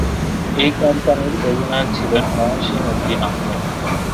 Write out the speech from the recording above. এই কোম্পানির অধিনায়ক ছিলেন মহসীন উদ্দীন আহমেদ।